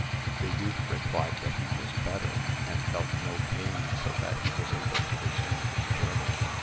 The youth replied that he was better, and felt no pain so that he was able to resume his journey.